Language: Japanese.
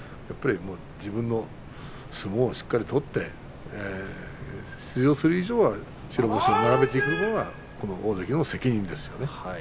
自分の相撲をしっかり取って出場する以上は白星を並べていくのが大関の責任ですよね。